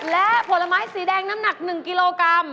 และผลไม้สีแดงน้ำหนัก๑กิโลกรัม